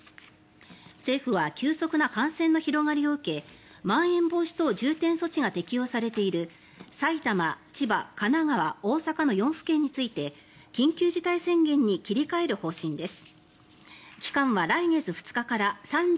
政府は急速な感染の広がりを受けまん延防止等重点措置が適用されている埼玉、千葉、神奈川、大阪の４府県について緊急事態宣言に切り替える方針です。